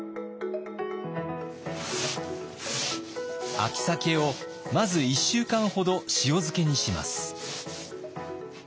秋鮭をまず１週間ほど塩漬けにします。